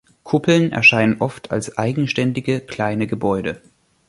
Kuppeln erscheinen oft als eigenständige kleine Gebäude.